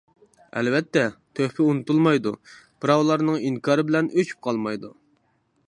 ئەلۋەتتە، تۆھپە ئۇنتۇلمايدۇ، بىراۋلارنىڭ ئىنكارى بىلەن ئۆچۈپ قالمايدۇ.